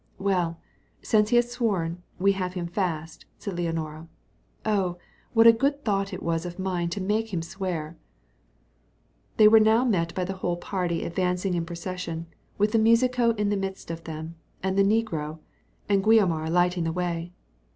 "Well, since he has sworn, we have him fast," said Leonora. "Oh, what a good thought it was of mine to make him swear!" They were now met by the whole party advancing in procession, with the musico in the midst of them, and the negro and Guiomar lighting the way.